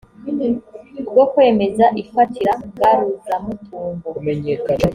bwo kwemeza ifatira ngaruzamutungo